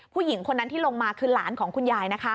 ผู้หญิงคนนั้นที่ลงมาคือหลานของคุณยายนะคะ